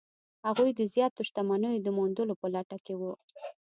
هغوی د زیاتو شتمنیو د موندلو په لټه کې وو.